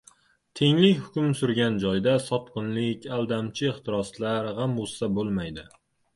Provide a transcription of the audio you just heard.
Tenglik hukm surgan joyda sotqinlik, aldamchi ehtiroslar, g‘am-g‘ussa bo‘lmaydi.